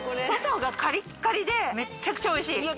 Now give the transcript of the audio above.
外がカリッカリでめっちゃくちゃおいしい。